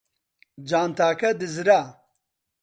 جانتاکە دزرا.